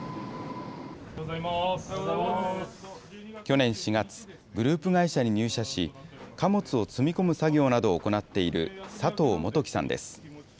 去年４月、グループ会社に入社し、貨物を積み込む作業などを行っている佐藤元基さんです。